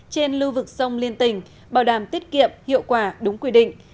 trên lưu vực sông liên tỉnh bảo đảm tiết kiệm hiệu quả đúng quy định